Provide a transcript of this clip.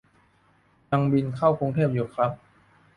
ยังบินเข้ากรุงเทพอยู่ครับ